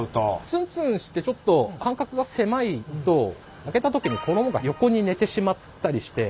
ツンツンしてちょっと間隔が狭いと揚げた時に衣が横に寝てしまったりして。